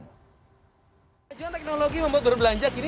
kejuan teknologi membuat berbelanja kini